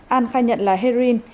an khai nhận là heroin